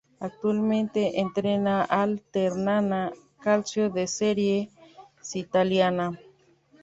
Actualmente entrena al Ternana Calcio de la Serie C italiana.